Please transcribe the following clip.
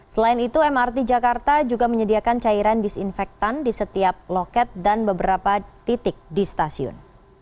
selain itu mrt jakarta juga menyediakan cairan disinfektan di setiap loket dan beberapa titik di stasiun